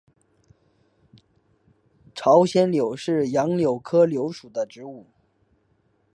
朝鲜柳是杨柳科柳属的植物。